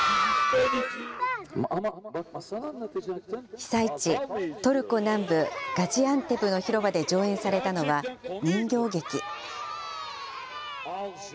被災地、トルコ南部ガジアンテプの広場で上演されたのは、人形劇。